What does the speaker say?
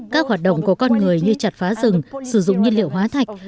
các hoạt động của con người như chặt phá rừng sử dụng nhiên liệu hóa thạch